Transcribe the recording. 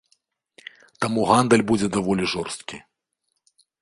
Таму гандаль будзе даволі жорсткі.